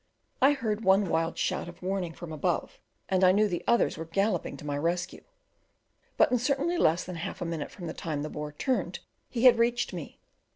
I heard one wild shout of warning from above, and I knew the others were galloping to my rescue; but in certainly less than half a minute from the time the boar turned, he had reached me.